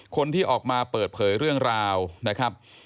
คนที่ออกมาเปิดเผยเรื่องราวนะครับ